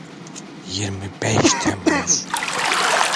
Yirmi beş Temmuz.